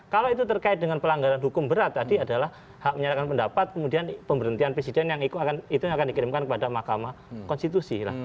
kalau itu terkait dengan pelanggaran hukum berat tadi adalah hak menyatakan pendapat kemudian pemberhentian presiden yang akan dikirimkan kepada mahkamah konstitusi